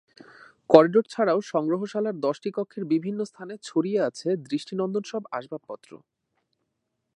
Corridor ছাড়াও সংগ্রহশালার দশটি কক্ষের বিভিন্ন স্থানে ছড়িয়ে আছে দৃষ্টি নন্দন সব আসবাবপত্র।